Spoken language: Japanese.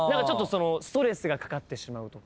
ストレスがかかってしまうとか。